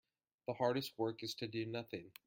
The hardest work is to do nothing.